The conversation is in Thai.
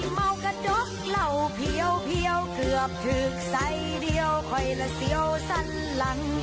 เมากระดกเหล่าเพี้ยวเกือบถึงไซส์เดียวค่อยละเสียวสั้นหลัง